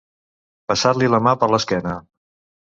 Passar-li la mà per l'esquena.